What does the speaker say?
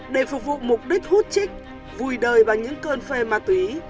để phục vụ mục đích hút trích vùi đời bằng những cơn phê ma túy